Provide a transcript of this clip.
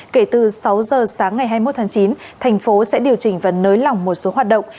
kể từ sáu giờ sáng ngày hai mươi một tháng chín thành phố sẽ điều chỉnh và nới lỏng một số hoạt động